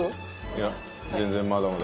いや全然まだまだ。